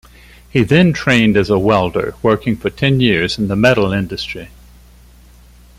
He then trained as a welder, working for ten years in the metal industry.